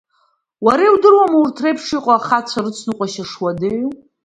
Уара иудыруама урҭ реиԥш иҟоу ахацәа рыцныҟәашьа шуадаҩу?